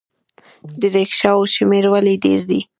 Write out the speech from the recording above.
د ریکشاوو شمیر ولې ډیر دی؟